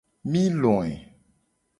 Mi loe.